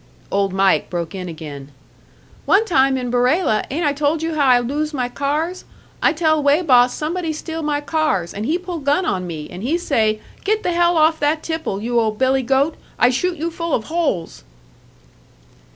Old Mike broke in again. "One time in Barela ain't I told you how I lose my cars? I tell weigh boss somebody steal my cars, and he pull gun on me, and he say, 'Get the hell off that tipple, you old billy goat, I shoot you full of holes!'"